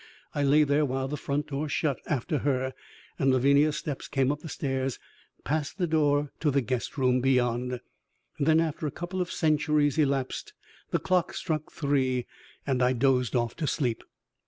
I lay there while the front door shut after her, and Lavinia's steps came up the stairs and passed the door to the guest room beyond. And then after a couple of centuries elapsed the clock struck three and I dozed off to sleep.